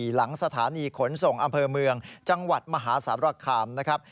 หลังสถานีขนส่งอำเภอเมืองจังหวัดมหาสารคามนะครับ